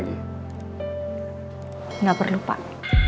gak perlu pak